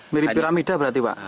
mirip piramida berarti pak